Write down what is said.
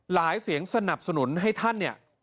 หลายเสียงสนับสนุนให้ท่าน